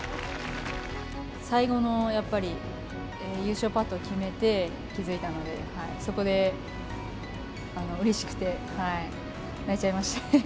最後のやっぱり、優勝パットを決めて、気付いたので、そこでうれしくて泣いちゃいましたね。